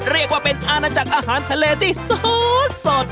เรียกว่าเป็นอาณาจักรอาหารทะเลที่สด